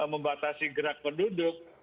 membatasi gerak penduduk